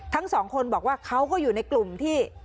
ทั้งสองคนบอกว่าเขาก็อยู่ในกลุ่มที่